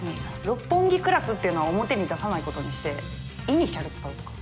六本木クラスっていうのは表に出さない事にしてイニシャル使うとか。